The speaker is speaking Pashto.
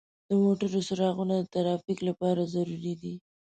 د موټرو څراغونه د ترافیک لپاره ضروري دي.